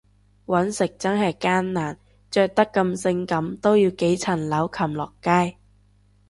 搵食真係艱難，着得咁性感都要幾層樓擒落街